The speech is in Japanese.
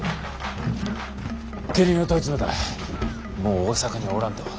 家人を問い詰めたらもう大坂にはおらんと。